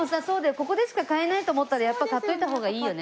ここでしか買えないと思ったらやっぱり買っといた方がいいよね。